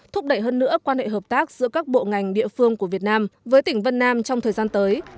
thúc đẩy hơn nữa quan hệ hợp tác giữa các bộ ngành địa phương của việt nam với tỉnh vân nam trong thời gian tới